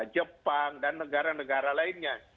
jepang dan negara negara lainnya